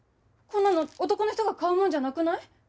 こんなの男の人が買うもんじゃなくない？